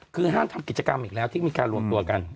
คือห้ามทำกิจกรรมอีกแล้วที่มีการรวมตัวกัน